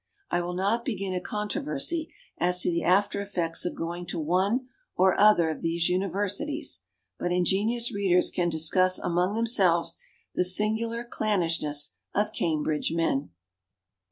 I will not begrin a controversy as to the after effects of going to one or other of these universities ; but in genious readers can discuss among themselves the singular clannishness of Cambridge men.